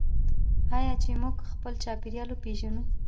آیا چې موږ خپل چاپیریال وپیژنو؟